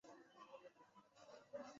让我们共同守护她们。